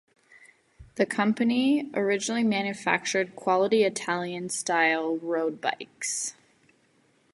The company originally manufactured quality Italian style road bikes.